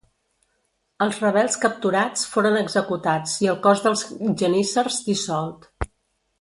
Els rebels capturats foren executats i el cos dels geníssers dissolt.